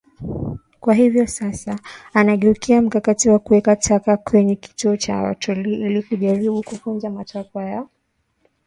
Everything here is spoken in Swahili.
Kwa hivyo sasa anageukia mkakati wa kuweka taka kwenye vituo vya watu ili kujaribu kuvunja matakwa ya watu wa Ukraine jambo ambalo hawataweza kulifanya.